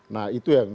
nah itu yang